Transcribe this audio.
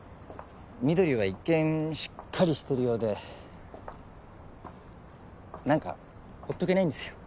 翠は一見しっかりしてるようで何かほっとけないんですよ。